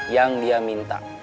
yang dia minta